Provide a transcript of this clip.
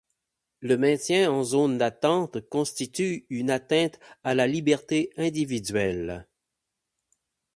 Le maintien en zone d'attente constitue une atteinte à la liberté individuelle.